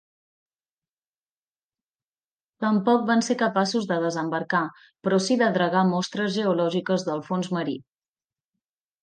Tampoc van ser capaços de desembarcar, però sí de dragar mostres geològiques del fons marí.